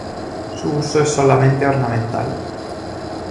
Su uso es solamente ornamental.